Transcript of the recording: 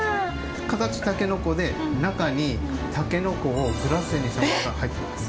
形タケノコで中にタケノコをグラッセにしたものが入っています。